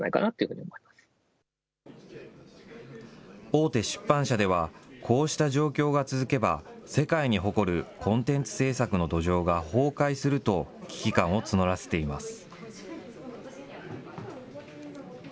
大手出版社では、こうした状況が続けば、世界に誇るコンテンツ制作の土壌が崩壊すると、危機感を募らせています。